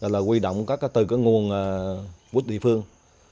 là quy động các tư cái nguồn quốc địa phương